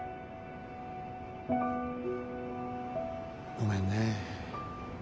ごめんね。